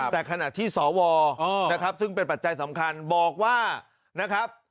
แต่ขณะที่สวซึ่งเป็นปัจจัยสำคัญบอกว่า